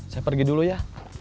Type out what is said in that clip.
saya pergi dulu ya